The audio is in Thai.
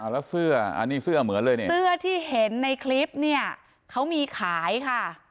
แล้วเสื้ออันนี้เสื้อเหมือนเลยเนี่ยเสื้อที่เห็นในคลิปเนี่ยเขามีขายค่ะ